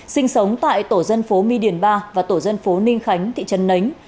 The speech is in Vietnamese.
sinh sống tại tổ dân phố my điền ba và tổ dân phố ninh khánh thị trần nánh